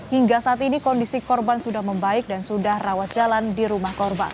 hingga saat ini kondisi korban sudah membaik dan sudah rawat jalan di rumah korban